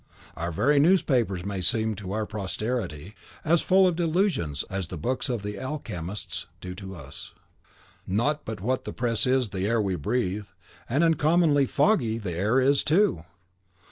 Our very newspapers may seem to our posterity as full of delusions as the books of the alchemists do to us; not but what the press is the air we breathe, and uncommonly foggy the air is too!